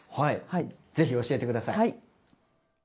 ぜひ教えて下さい。